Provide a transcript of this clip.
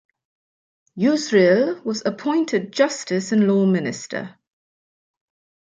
Yusril was appointed justice and law minister.